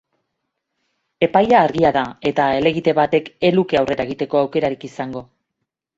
Epaia argia da eta helegite batek ez luke aurrera egiteko aukerarik izango.